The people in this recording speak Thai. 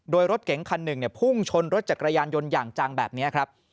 โดยรถเก๋งคันหนึ่งพุ่งชนรถจักรยานยนต์อย่างจังแบบนี้ครับ